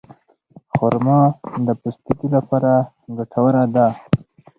خرما د پوستکي لپاره ګټوره ده.